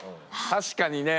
確かにね。